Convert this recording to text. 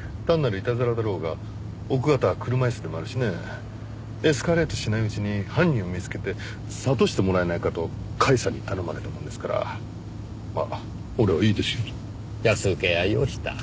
「単なるいたずらだろうが奥方は車椅子でもあるしねエスカレートしないうちに犯人を見つけて諭してもらえないか」と甲斐さんに頼まれたもんですからまあ俺は「いいですよ」と。安請け合いをした。